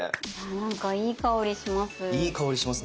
なんかいい香りします。